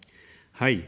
はい。